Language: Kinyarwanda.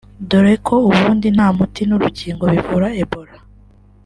dore ko ubundi nta muti n’urukingo bivura Ebola